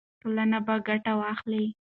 ټولنه به ګټه واخلي.